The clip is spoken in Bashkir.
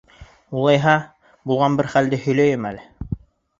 Улайһа, булған бер хәлде һөйләйем әле...